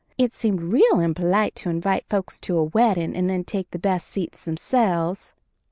It seemed real impolite to invite folks to a weddin' and then take the best seats themselves.